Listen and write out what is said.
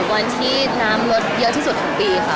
วันที่น้ำลดเยอะที่สุดของปีค่ะ